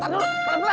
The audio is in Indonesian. tarik dulu tarik dulu